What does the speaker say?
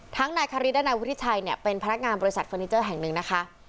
นายคาริสและนายวุฒิชัยเนี่ยเป็นพนักงานบริษัทเฟอร์นิเจอร์แห่งหนึ่งนะคะ